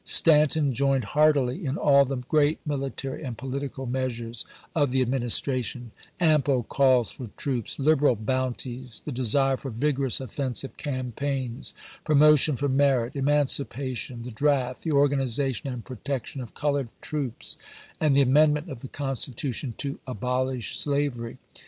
Stanton joined heartily in all the great military and political meas ures of the Administration : ample calls for troops, liberal bounties, the desire for vigorous, offensive campaigns, promotion for merit, emancipation, the draft, the organization and protection of colored troops, and the amendment of the Constitution to abolish slavery.